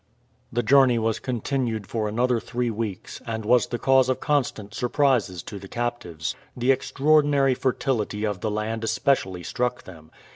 The journey was continued for another three weeks, and was the cause of constant surprises to the captives. The extraordinary fertility of the land especially struck them.